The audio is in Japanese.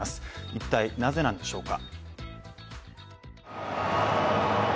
一体、なぜなんでしょうか。